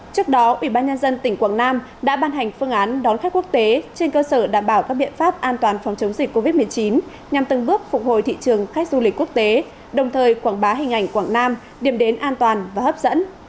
trước đó ủy ban nhân dân tỉnh quảng nam đã ban hành phương án đón khách quốc tế trên cơ sở đảm bảo các biện pháp an toàn phòng chống dịch covid một mươi chín nhằm từng bước phục hồi thị trường khách du lịch quốc tế đồng thời quảng bá hình ảnh quảng nam điểm đến an toàn và hấp dẫn